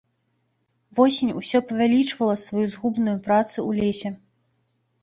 Восень усё павялічвала сваю згубную працу ў лесе.